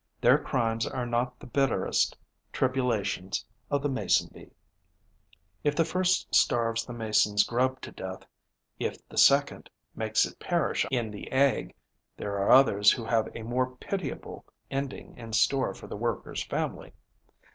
Their crimes are not the bitterest tribulations of the Mason bee. If the first starves the Mason's grub to death, if the second makes it perish in the egg, there are others who have a more pitiable ending in store for the worker's family.